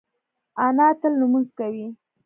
انا تل لمونځ کوي